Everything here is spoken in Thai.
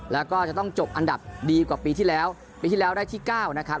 แล้วก็จะต้องจบอันดับดีกว่าปีที่แล้วปีที่แล้วได้ที่๙นะครับ